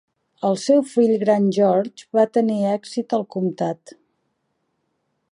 El seu fill gran George va tenir èxit al comtat.